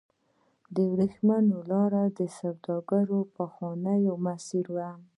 د ورېښمو لار د سوداګرۍ پخوانی مسیر و.